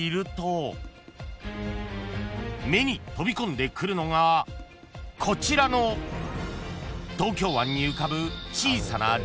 ［目に飛び込んでくるのがこちらの東京湾に浮かぶ］